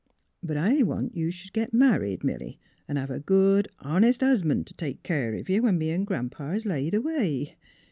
But I want you sh'd git married, Milly, an' have a good, honest husban' t' take keer of you, when me an' Gran 'pa 's laid away."